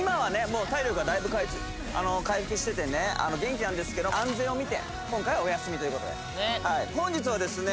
もう体力がだいぶ回復しててね元気なんですけど安全をみて今回はお休みということで本日はですね